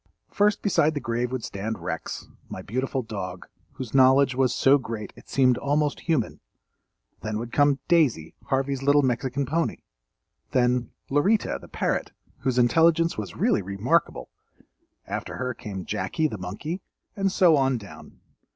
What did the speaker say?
First beside the grave would stand Rex, my beautiful dog, whose knowledge was so great it seemed almost human; then would come "Daisy," Harvey's little Mexican pony; then "Lorita," the parrot, whose intelligence was really remarkable; after her came "Jackie," the monkey, and so on down.